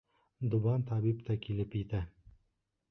Дубан табип та килеп етә.